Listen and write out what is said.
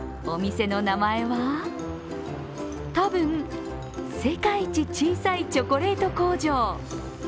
お店の名前は、たぶん世界一小さいチョコレート工場。